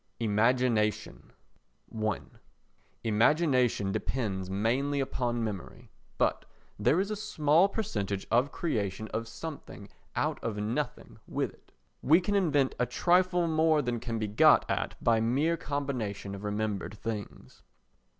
Imagination i Imagination depends mainly upon memory, but there is a small percentage of creation of something out of nothing with it. We can invent a trifle more than can be got at by mere combination of remembered things.